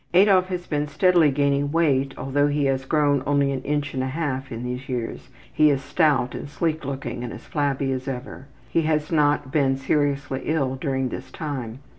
Adolf has been steadily gaining weight, although he has grown only an inch and a half in these years. He is stout and sleek looking and as flabby as ever. He has not been seriously ill during this time.